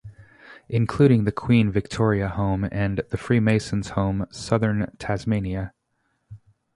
Including the Queen Victoria Home and the Freemasons Home Southern Tasmania.